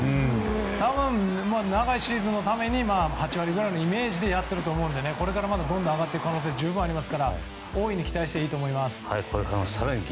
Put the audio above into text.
多分長いシーズンのために８割ぐらいのイメージでやってると思うので、これからどんどん上がっていく可能性十分ありますから大いに期待していいと思います。